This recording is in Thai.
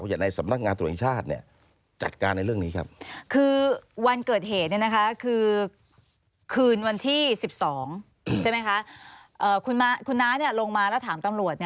คุณน้าลงมาแล้วถามตำรวจ